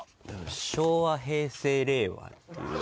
昭和・平成・令和っていう。